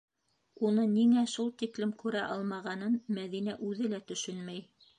Уны ниңә шул тиклем күрә алмағанын Мәҙинә үҙе лә төшөнмәй.